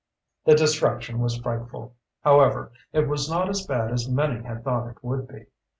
The destruction was frightful. However, it was not as bad as many had thought it would be.